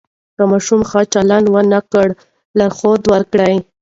که ماشوم ښه چلند ونه کړي، لارښود ورکړئ.